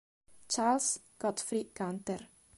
Charles Godfrey Gunther